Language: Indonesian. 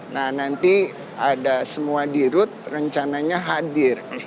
nah nanti ada semua dirut rencananya hadir